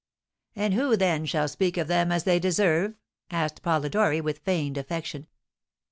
"And who, then, shall speak of them as they deserve?" asked Polidori, with feigned affection.